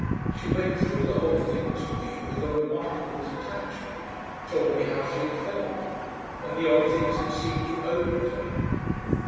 She went through the whole thing to me with a remarkable detachment, told me how she had felt and the odd things it seemed to open to her.